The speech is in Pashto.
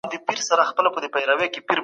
د کورنۍ له مرستي پرته زده کړه نه بشپړه کېږي.